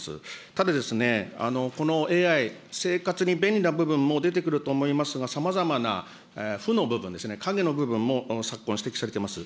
ただですね、このＡＩ、生活に便利な部分も出てくると思いますが、さまざまな負の部分ですね、影の部分も昨今、指摘されています。